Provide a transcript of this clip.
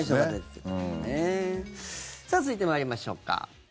さあ続いて参りましょうか。